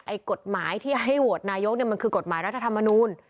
กฎหมายที่ให้โหวตนายกเนี่ยมันคือกฎหมายรัฐธรรมนูล